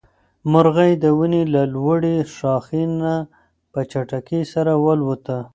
مرغۍ د ونې له لوړې ښاخۍ نه په چټکۍ سره والوته.